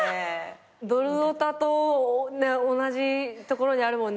ドルオタと同じところにあるもんね